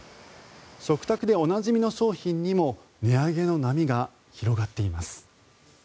食卓でおなじみの商品にも値上げの波が広がっています。